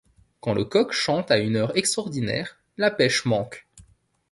Quand le coq chante à une heure extraordinaire, la pêche manque.